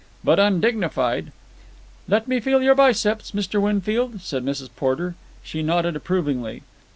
"But undignified." "Let me feel your biceps, Mr. Winfield," said Mrs. Porter. She nodded approvingly.